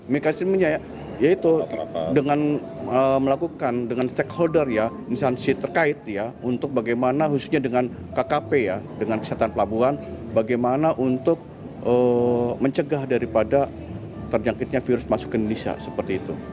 mekanismenya yaitu dengan melakukan dengan stakeholder ya instansi terkait ya untuk bagaimana khususnya dengan kkp ya dengan kesehatan pelabuhan bagaimana untuk mencegah daripada terjangkitnya virus masuk ke indonesia seperti itu